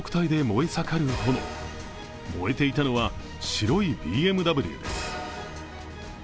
燃えていたのは、白いＢＭＷです。